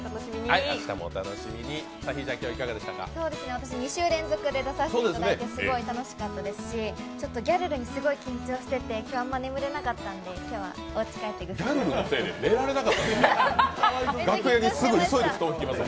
私、２週連続で出させてもらって、すごい楽しかったですし、ギャルルにすごい緊張してて、昨日は眠れなかったので今日はおうち帰ってぐっすり眠りたいと思います。